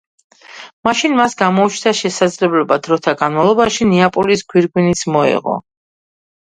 მაშინ მას გამოუჩნდა შესაძლებლობა, დროთა განმავლობაში ნეაპოლის გვირგვინიც მოეღო.